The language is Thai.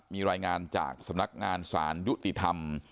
มีรายงานจากสำนักงานสารยุติธรรม